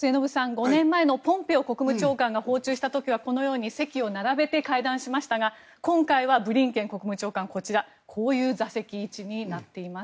５年前のポンペオ国務長官が訪中した時にはこのように席を並べて会談しましたが今回はブリンケン国務長官こちら、こういう座席位置になっています。